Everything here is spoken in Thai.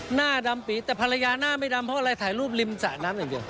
หน้าดำปีแต่ภรรยาหน้าไม่ดำเพราะอะไรถ่ายรูปริมสระน้ำอย่างเดียว